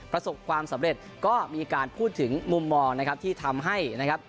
ประสบความสำเร็จก็มีการพูดถึงมุมมองนะครับที่ทำให้นะครับ